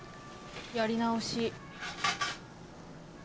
やり直し。